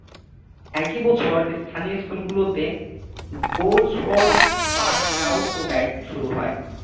একই বছর স্থানীয় স্কুলগুলোতে গোল্ডসওর্থ পার্ক স্কাউট ও গাইড শুরু হয়।